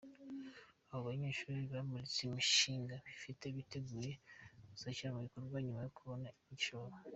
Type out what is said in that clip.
Abo banyeshuri bamuritse imishinga bafite biteguye kuzashyira mu bikorwa nyuma yo kubona igishoro.